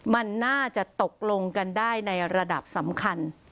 มันน่าจะตกลงกันได้ในระดับสำคัญ